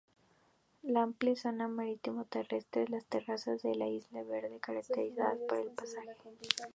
La amplia zona marítimo-terrestre, las terrazas y la Isle Verde caracterizan el paisaje.